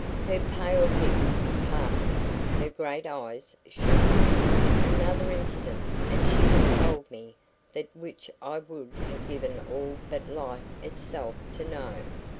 Her pale lips parted. Her great eyes shone. Another instant, and she had told me that which I would have given all but life itself to know.